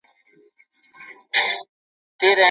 د ژوند کيسه يې د نورو لپاره بېلګه ده.